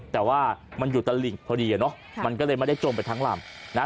แต่ว่ามันอยู่ตลิ่งพอดีอ่ะเนอะมันก็เลยไม่ได้จมไปทั้งลำนะฮะ